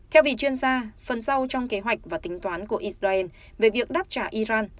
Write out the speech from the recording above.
theo vị chuyên gia phần sau trong kế hoạch và tính toán của israel về việc đáp trả iran